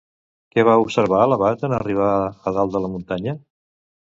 Què va observar l'abat en arribar a dalt de la muntanya?